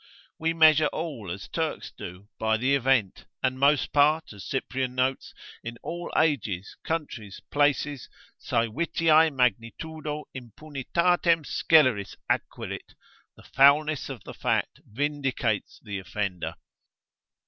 ——— We measure all as Turks do, by the event, and most part, as Cyprian notes, in all ages, countries, places, saevitiae magnitudo impunitatem sceleris acquirit; the foulness of the fact vindicates the offender.